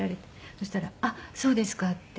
そしたら「あっそうですか」って。